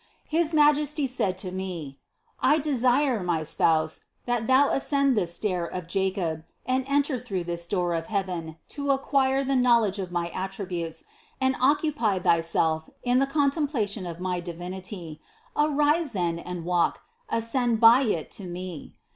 His Majesty said to me : "I desire, my spouse, that thou ascend this stair of Jacob and enter through this door of heaven to acquire the knowledge of my attributes and occupy thyself in the contemplation of my Divinity. Arise then and walk, ascend by it to Me.